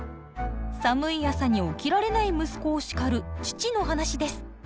寒い朝に起きられない息子を叱る父の話です。